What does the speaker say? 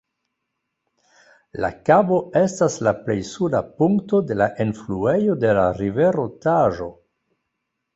La kabo estas la plej suda punkto de la enfluejo de la rivero Taĵo.